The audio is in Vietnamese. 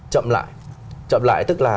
chậm lại chậm lại tức là